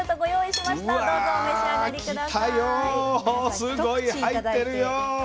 すごい入ってるよ。